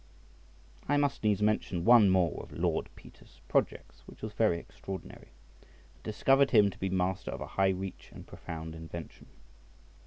I must needs mention one more of Lord Peter's projects, which was very extraordinary, and discovered him to be master of a high reach and profound invention.